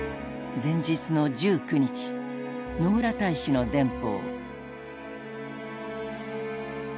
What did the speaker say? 前日の１９日野村大使の電報。